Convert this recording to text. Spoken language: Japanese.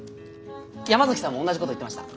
山崎さんも同じこと言ってました。